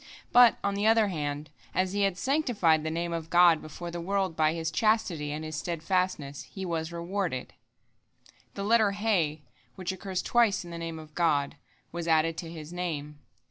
But, on the other hand, as he had sanctified the Name of God before the world by his chastity and his steadfastness, he was rewarded. The letter He, which occurs twice in the Name of God, was added to his name.